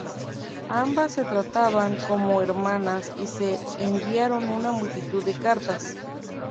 Ambas se trataban como hermanas y se enviaron una multitud de cartas.